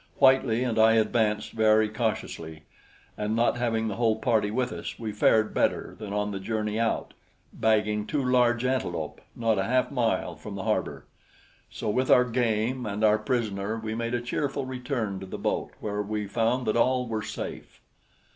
Whitely and I advanced very cautiously, and not having the whole party with us, we fared better than on the journey out, bagging two large antelope not a half mile from the harbor; so with our game and our prisoner we made a cheerful return to the boat, where we found that all were safe.